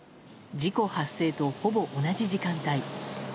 事故発生と、ほぼ同じ時間帯。